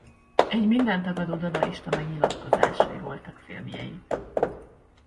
Egy mindent tagadó dadaista megnyilatkozásai voltak filmjei.